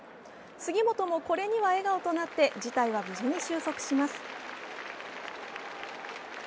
杉本もこれには笑顔となって事態は無事に終息します。